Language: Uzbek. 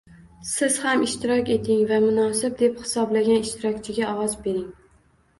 Siz ham ishtirok eting va munosib deb hisoblagan ishtirokchiga ovoz bering.